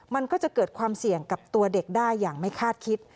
มันก็จะเกิดความเสี่ยงกับตัวเด็กได้อย่างไม่คาดคิด